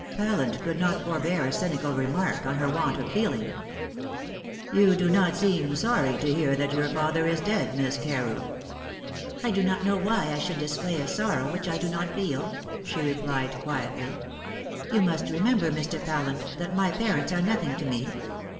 Pallant could not forbear a cynical remark on her want of feeling. "You do not seem sorry to hear that your father is dead, Miss Carew." "I do not know why I should display a sorrow which I do not feel," she replied quietly. "You must remember, Mr. Pallant, that my parents are nothing to me.